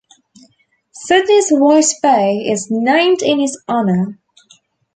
Sydney's White Bay is named in his honour.